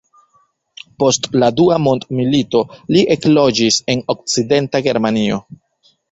Post la dua mondmilito li ekloĝis en Okcidenta Germanio.